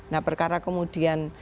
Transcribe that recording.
nah perkara kemudian